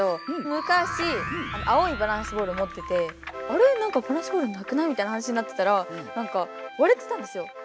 むかし青いバランスボールをもっててあれなんかバランスボールなくない？みたいな話になってたらなんかわれてたんですよ。